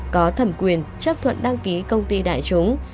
có thẩm quyền chấp thuận đăng ký công ty đại chúng